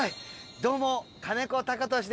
どうも金子貴俊です。